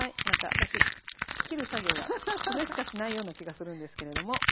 何か私切る作業はこれしかしないような気がするんですけれども。